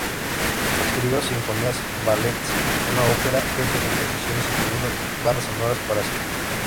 Escribió sinfonías, ballets, una ópera, y otras composiciones, incluyendo bandas sonoras para cine.